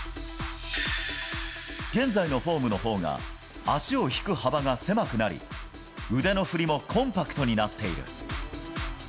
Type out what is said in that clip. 現在のフォームのほうが、足を引く幅が狭くなり、腕の振りもコンパクトになっている。